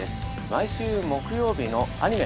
毎週木曜日のアニメ